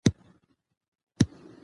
په تعلیم سره جهالت ته ماتې ورکړئ.